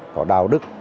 có đạo đức